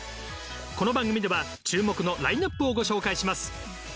この番組では注目のラインナップをご紹介します。